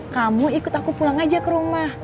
kamu ikut aku pulang aja ke rumah